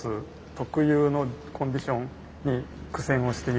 特有のコンディションに苦戦をしている状況です。